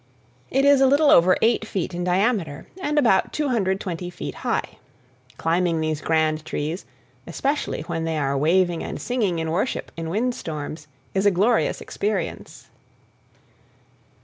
It is a little over eight feet in diameter and about 220 feet high. Climbing these grand trees, especially when they are waving and singing in worship in wind storms, is a glorious experience.